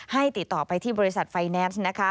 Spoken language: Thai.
ติดต่อไปที่บริษัทไฟแนนซ์นะคะ